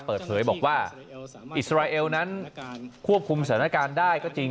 เปิดเผยบอกว่าอิสราเอลนั้นควบคุมสถานการณ์ได้ก็จริง